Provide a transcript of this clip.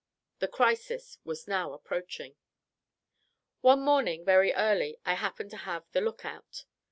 The crisis was now approaching. One morning, very early, I happened to have the look out.